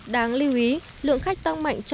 đáng lưu ý lượng khách tăng mạnh trong tỉnh bạc liêu